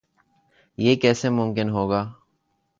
یہ کیسے ممکن ہو گا؟